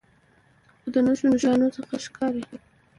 خو د نښو نښانو څخه ښکارې